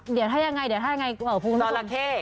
เดี๋ยวถ้ายังไงจอราเค